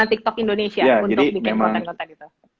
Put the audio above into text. tiktok indonesia untuk bikin konten konten itu